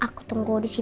masa itu udah berakhir